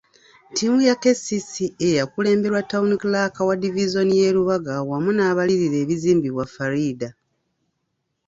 Ttiimu ya KCCA yakulemberwa Town Clerk wa divizoni y'e Lubaga wamu n'abalirira ebizimbibwa Faridah.